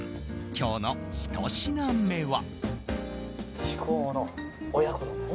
今日のひと品目は。